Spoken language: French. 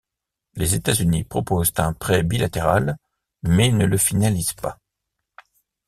Les États-Unis proposent un prêt bilatéral mais ne le finalisent pas.